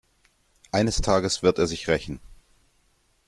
Eines Tages wird er sich rächen.